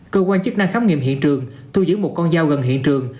cơ quan chức năng khám nghiệm hiện trường thu giữ một con dao gần hiện trường